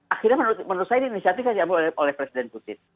akhirnya menurut saya ini inisiatif yang diambil oleh presiden putin